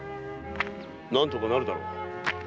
何とかなるだろう。